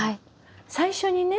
最初にね